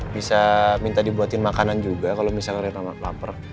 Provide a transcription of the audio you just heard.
bisa minta dibuatin makanan juga kalau misalnya reina lapar